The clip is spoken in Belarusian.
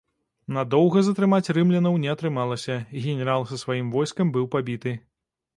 Надоўга затрымаць рымлянаў не атрымалася, генерал са сваім войскам быў пабіты.